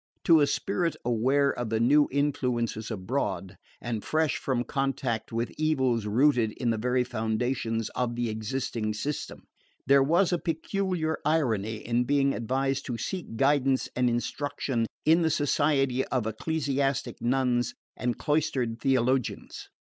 To a spirit aware of the new influences abroad, and fresh from contact with evils rooted in the very foundations of the existing system, there was a peculiar irony in being advised to seek guidance and instruction in the society of ecstatic nuns and cloistered theologians.